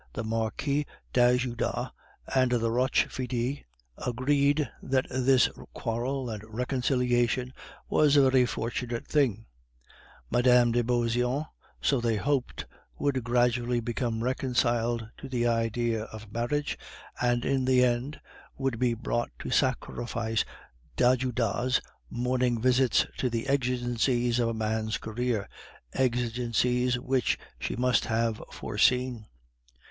The Marquis d'Ajuda and the Rochefides agreed that this quarrel and reconciliation was a very fortunate thing; Mme. de Beauseant (so they hoped) would gradually become reconciled to the idea of the marriage, and in the end would be brought to sacrifice d'Ajuda's morning visits to the exigencies of a man's career, exigencies which she must have foreseen.